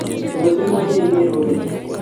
Tos, imache igeer kogeny?